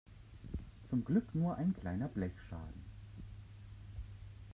Zum Glück nur ein kleiner Blechschaden.